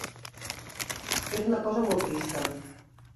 És una cosa molt trista.